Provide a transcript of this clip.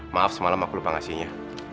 maaf semalam aku lupa ngasihnya